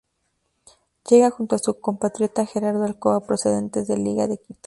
Llega junto a su compatriota Gerardo Alcoba procedentes de Liga de Quito.